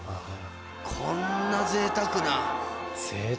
こんなぜいたくな。